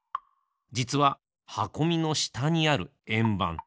じつははこみのしたにあるえんばん。